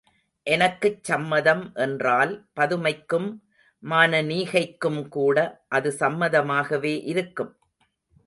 எனக்குச் சம்மதம் என்றால் பதுமைக்கும் மானனீகைக்கும்கூட அது சம்மதமாகவே இருக்கும்.